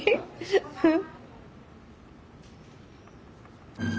フフ。